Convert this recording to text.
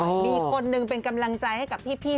มีคนหนึ่งเป็นกำลังใจให้กับพี่